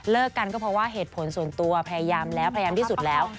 กันก็เพราะว่าเหตุผลส่วนตัวพยายามแล้วพยายามที่สุดแล้ว